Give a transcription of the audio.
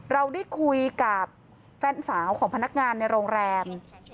เราได้คุยกับแฟนสาวของพนักงานในโรงแรม